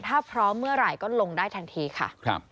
ถ้าพร้อมเมื่อไหร่ก็ลงได้ทันทีค่ะ